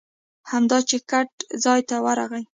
همدا چې ګټ ځای ته ورغی.